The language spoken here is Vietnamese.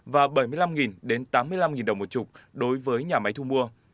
và bảy mươi năm đến tám mươi năm đồng một chục đối với nhà máy thu mua